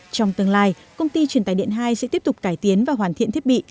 trong tương lai công ty truyền tài điện hai sẽ tiếp tục cải tiến và hoàn thiện thiết bị